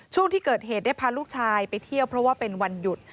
ช่วงที่เกิดเหตุได้พาลูกชายไปเที่ยวเพราะว่าเป็นวันหยุด